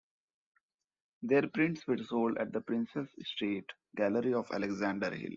Their prints were sold at the Princes Street gallery of Alexander Hill.